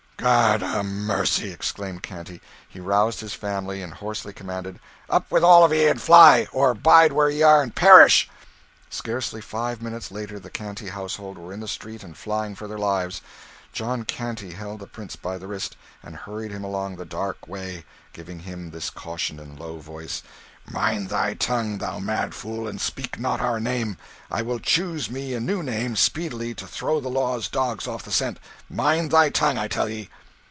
"God a mercy!" exclaimed Canty. He roused his family, and hoarsely commanded, "Up with ye all and fly or bide where ye are and perish!" Scarcely five minutes later the Canty household were in the street and flying for their lives. John Canty held the Prince by the wrist, and hurried him along the dark way, giving him this caution in a low voice "Mind thy tongue, thou mad fool, and speak not our name. I will choose me a new name, speedily, to throw the law's dogs off the scent. Mind thy tongue, I tell thee!"